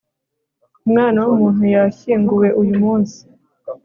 umwana w'umuntu yashyinguwe uyumunsi